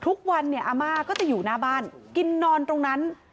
ทุกวันเนี่ยอาม่าก็จะอยู่หน้าบ้านกินนอนตรงนั้น